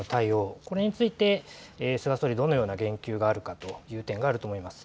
これについて菅総理がどのような言及があるかという点があると思います。